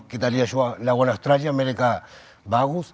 kita lihat lawan australia mereka bagus